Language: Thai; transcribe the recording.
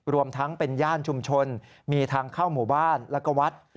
รวมทั้งเป็นย่านชุมชนมีทางเข้าหมู่บ้านแล้วก็วัด